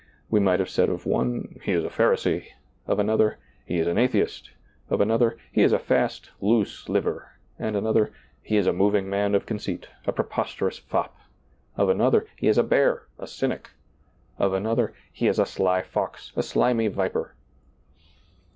We might have said of one, " He is a Pharisee ;" of another, " He is an atheist ;" of another, "He is a fast, loose liver;" of another, ^lailizccbvGoOgle RAHAB 39 " He is a moving mass of conceit, a preposterous fop ;" of another, " He is a bear, a cynic ;" of another, " He is a sly fox, a slimy viper."